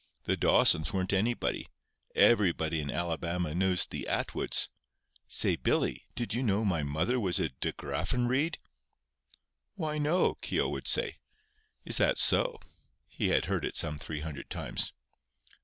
The Dawsons weren't anybody. Everybody in Alabama knows the Atwoods. Say, Billy—did you know my mother was a De Graffenreid?" "Why, no," Keogh would say; "is that so?" He had heard it some three hundred times.